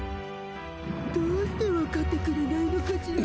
どうして分かってくれないのかしら。